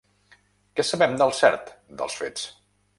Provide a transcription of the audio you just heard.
Què sabem del cert dels fets?